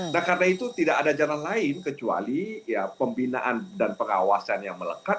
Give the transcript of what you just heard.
nah karena itu tidak ada jalan lain kecuali pembinaan dan pengawasan yang melekat